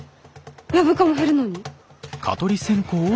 ヤブ蚊も減るのに？